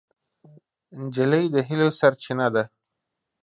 نجلۍ د هیلو سرچینه ده.